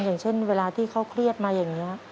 อย่างเช่นเวลาที่เขาเครียดมาอย่างนี้